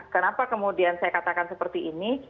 kenapa kemudian saya katakan seperti ini